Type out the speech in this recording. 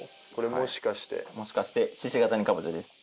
もしかして鹿ケ谷かぼちゃです。